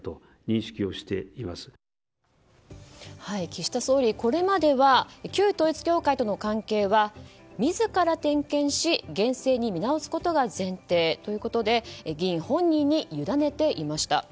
岸田総理、これまでは旧統一教会との関係は自ら点検し厳正に見直すことが前提ということで議員本人に委ねていました。